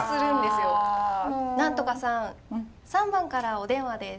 「何とかさん３番からお電話です」。